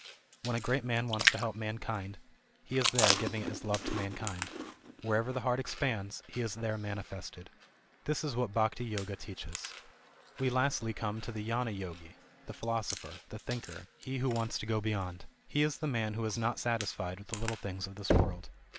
When a great man wants to help mankind, He is there giving it as love to mankind. Wherever the heart exj ands, He is there manifested. This is what the Bhakti Yoga teaches. We lastly come to the Gnana Yogi, the philosopher, the thinker, he who wants to go beyond. He is the man who is not satisfied with the little things of this world.